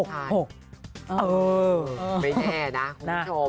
ไม่แน่นะคุณผู้ชม